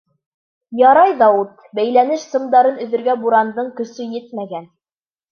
Ярай ҙа ут, бәйләнеш сымдарын өҙөргә бурандың көсө етмәгән.